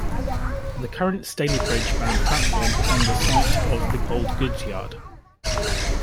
The current Stalybridge-bound platform is on the site of the old goods yard.